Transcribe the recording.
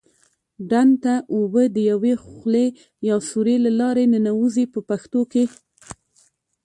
ډنډ ته اوبه د یوې خولې یا سوري له لارې ننوزي په پښتو کې.